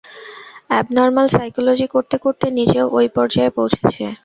Abnormal psychology করতে-করতে নিজেও ঐ পর্যায়ে পৌঁছেছে।